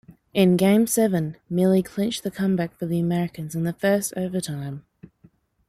In game seven, Milley clinched the comeback for the Americans in the first overtime.